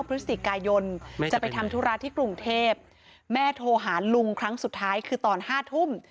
พฤศจิกายนจะไปทำธุระที่กรุงเทพแม่โทรหาลุงครั้งสุดท้ายคือตอน๕ทุ่ม